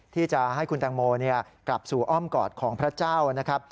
ที่จะให้คุณแตงโมกลับสู่อ้อมกอดของพระเจ้านะครับ